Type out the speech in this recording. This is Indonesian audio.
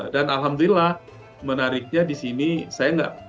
dan alhamdulillah menariknya di sini saya nggak